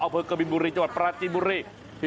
เภกบินบุรีจังหวัดปราจินบุรี